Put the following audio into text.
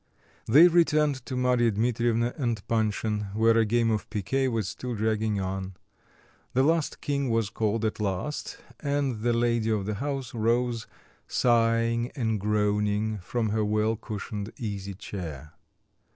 They returned to Marya Dmitrievna and Panshin, where a game of picquet was still dragging on. The last king was called at last, and the lady of the house rose, sighing and groaning from her well cushioned easy chair.